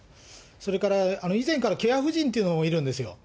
それから、以前からケアふじんというのがいるんですよ。